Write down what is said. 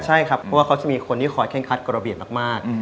ใช่ครับเพราะว่าเขาจะมีคนที่คอยเคร่งคัดกฎระเบียบมาก